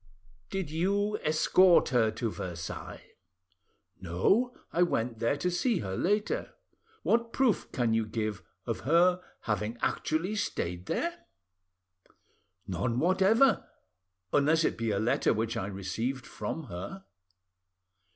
"Did you escort her to Versailles?" "No; I went there to see her later." "What proof can you give of her having actually stayed there?" "None whatever, unless it be a letter which I received from her."